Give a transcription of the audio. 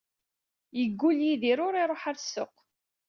Yeggull Yidir ur iruḥ ɣer ssuq.